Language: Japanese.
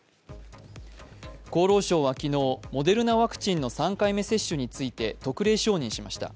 厚労省は昨日、モデルナワクチンの３回目接種について特例承認しました。